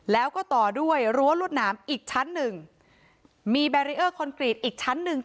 แล้วก็ต่อด้วยรั้วรวดหนามอีกชั้นหนึ่งมีแบรีเออร์คอนกรีตอีกชั้นหนึ่ง